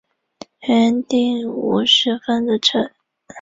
之后杨棣华和汤秀云结婚了。